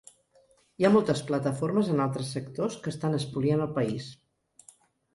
Hi ha moltes plataformes en altres sectors que estan espoliant el país.